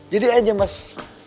jadi aja mas